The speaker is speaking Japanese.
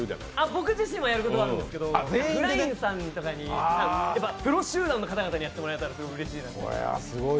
僕自身はやることがあるんですけど、Ｆｌｙ−Ｎさんとかにプロ集団の方がにやっていただけたら、うれしいなって。